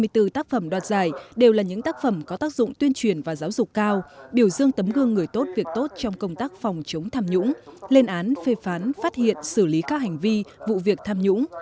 ba mươi bốn tác phẩm đoạt giải đều là những tác phẩm có tác dụng tuyên truyền và giáo dục cao biểu dương tấm gương người tốt việc tốt trong công tác phòng chống tham nhũng lên án phê phán phát hiện xử lý các hành vi vụ việc tham nhũng